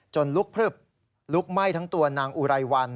ลุกพลึบลุกไหม้ทั้งตัวนางอุไรวัน